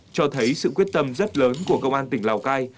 cho thấy sự quyết tâm rất lớn của công an tỉnh lào cai